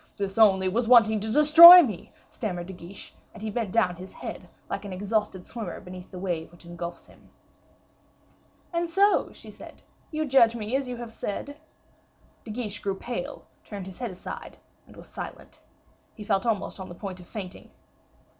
this only was wanting to destroy me," stammered De Guiche; and he bent down his head, like an exhausted swimmer beneath the wave which engulfs him. "And so," she said, "you judge me as you have said?" De Guiche grew pale, turned his head aside, and was silent. He felt almost on the point of fainting.